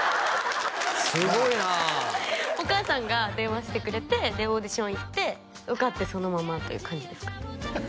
すごいなあお母さんが電話してくれてオーディション行って受かってそのままという感じですかね